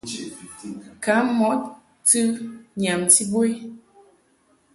Kam mɔʼ tɨ nyamti bo i.